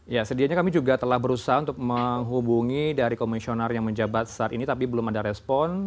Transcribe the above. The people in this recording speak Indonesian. ya sedianya kami juga telah berusaha untuk menghubungi dari komisioner yang menjabat saat ini tapi belum ada respon